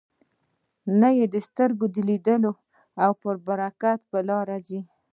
نه د سترګو د لیدلو او پر برکت په لاره ځي.